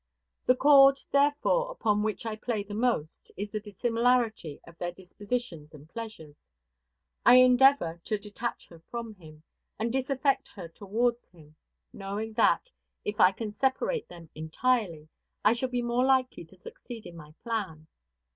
The chord, therefore, upon which I play the most, is the dissimilarity of their dispositions and pleasures. I endeavor to detach her from him, and disaffect her towards him; knowing that, if I can separate them entirely, I shall be more likely to succeed in my plan.